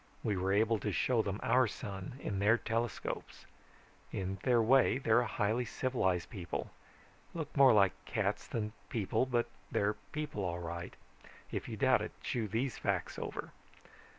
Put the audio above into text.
We were able to show them our sun, in their telescopes. In their way, they're a highly civilized people. Look more like cats than people, but they're people all right. If you doubt it, chew these facts over.